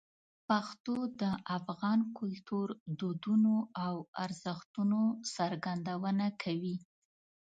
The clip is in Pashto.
پښتو د افغان کلتور، دودونو او ارزښتونو څرګندونه کوي.